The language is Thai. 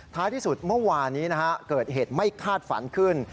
ที่สุดเมื่อวานนี้เกิดเหตุไม่คาดฝันขึ้น